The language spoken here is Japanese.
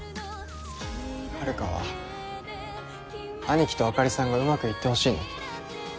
遥は兄貴とあかりさんがうまくいってほしいの？